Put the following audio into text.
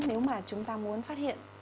nếu mà chúng ta muốn phát hiện